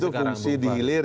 ya itu fungsi dihilir